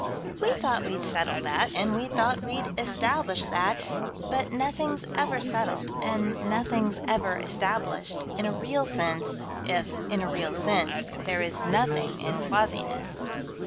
We thought we'd settled that, and we thought we'd establish that, but nothing's ever settled, and nothing's ever established, in a real sense, if, in a real sense, there is nothing in quasiness.